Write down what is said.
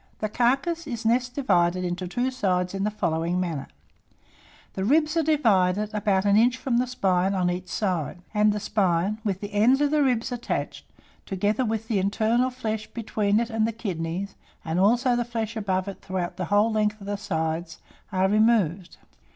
The carcass is next divided into two sides in the following manner: The ribs are divided about an inch from the spine on each side, and the spine, with the ends of the ribs attached, together with the internal flesh between it and the kidneys, and also the flesh above it, throughout the whole length of the sides, are removed.